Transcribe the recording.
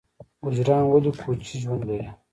ګوجران ولې کوچي ژوند لري؟